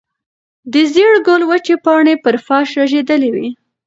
د زېړ ګل وچې پاڼې پر فرش رژېدلې وې.